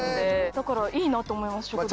だからいいなと思います食堂。